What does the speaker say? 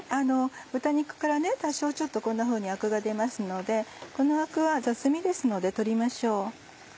豚肉から多少こんなふうにアクが出ますのでこのアクは雑味ですので取りましょう。